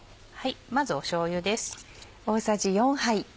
まずしょうゆです。